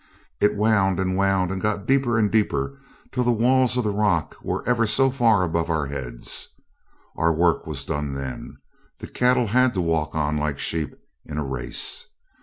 It wound and wound and got deeper and deeper till the walls of rock were ever so far above our heads. Our work was done then; the cattle had to walk on like sheep in a race.